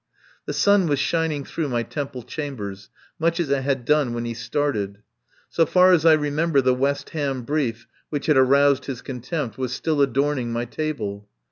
The sun was shining through my Temple chambers, much as it had done when he started. So far as I remember the West Ham brief which had aroused his contempt was still adorning my table.